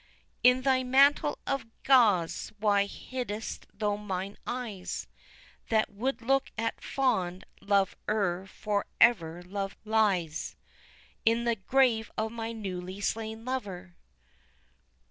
In thy mantle of gauze why hid'st thou mine eyes, That would look at fond love e'er forever love lies In the grave of my newly slain lover.